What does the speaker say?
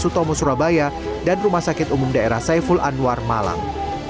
sutomo surabaya dan rumah sakit umum daerah saiful anwar malang